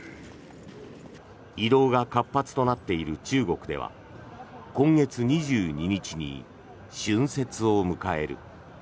移動が活発となっている中国では今月２２日に春節を迎える。